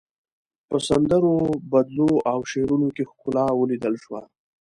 په سندرو، بدلو او شعرونو کې ښکلا وليدل شوه.